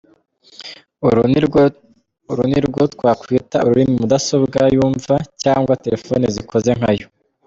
Uru nirwo twakwita ururimi mudasobwa yumva cyangwa telefoni zikoze nkayo.